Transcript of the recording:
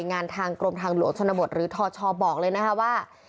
งานทางกรมทางหลวงชนบทหรือทชบอกเลยนะคะว่า